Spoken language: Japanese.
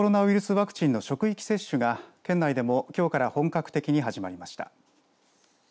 ワクチンの職域接種が県内でも、きょうから本格的に始まりました。